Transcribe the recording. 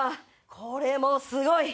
これもすごい！